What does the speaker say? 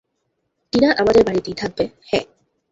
টিনা আমাদের বাড়িতেই থাকবে, - হ্যাঁ।